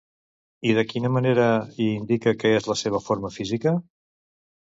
I de quina manera hi indica que és la seva forma física?